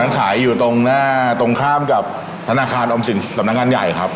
ตอนนั้นขายอยู่ตรงข้ามกับธนาคารอมสินสำนักงานใหญ่ครับ